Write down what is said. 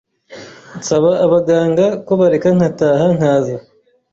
nsaba abaganga ko bareka nkataha nkaza